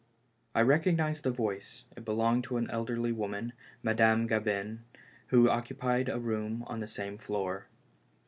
I recognized the voice; it belonged to an elderly woman, Madame Gabin, who occupied a room on the same floor.